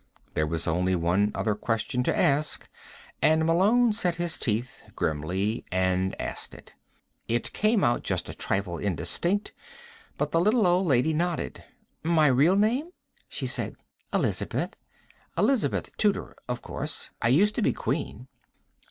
There was only one other question to ask, and Malone set his teeth grimly and asked it. It came out just a trifle indistinct, but the little old lady nodded. "My real name?" she said. "Elizabeth. Elizabeth Tudor, of course. I used to be Queen."